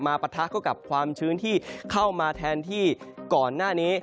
ปะทะเข้ากับความชื้นที่เข้ามาแทนที่ก่อนหน้านี้